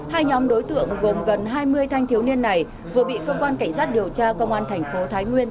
hai nhóm đối tượng gồm gần hai mươi thanh thiếu niên này vừa bị cơ quan cảnh sát điều tra công an thành phố thái nguyên